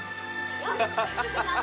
ハハハハ！